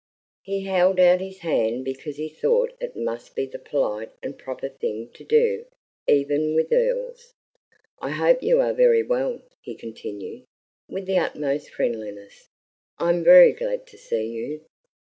He held out his hand because he thought it must be the polite and proper thing to do even with earls. "I hope you are very well," he continued, with the utmost friendliness. "I'm very glad to see you."